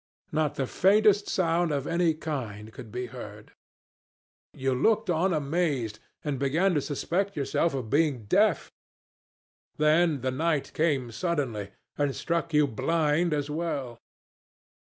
Not the faintest sound of any kind could be heard. You looked on amazed, and began to suspect yourself of being deaf then the night came suddenly, and struck you blind as well.